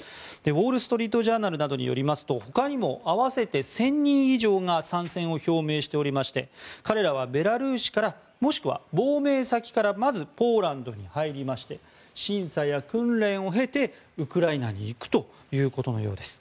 ウォール・ストリート・ジャーナルなどによりますと他にも合わせて１０００人以上が参戦を表明しておりまして彼らはベラルーシからもしくは亡命先からまずポーランドに入りまして審査や訓練を経てウクライナに行くということのようです。